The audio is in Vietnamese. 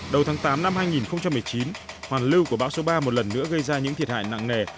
đầu tháng tám năm hai nghìn một mươi chín hoàn lưu của bão số ba một lần nữa gây ra những thiệt hại nặng nề